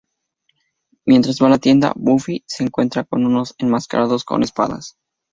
Mientras va a la tienda, Buffy se encuentra con unos enmascarados con espadas.